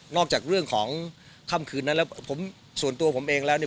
จากเรื่องของค่ำคืนนั้นแล้วผมส่วนตัวผมเองแล้วเนี่ย